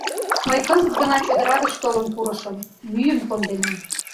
— Мый кызыт гына чодыра гыч толын пурышым, мӱйым конденам.